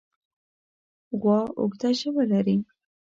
غوا اوږده ژبه لري.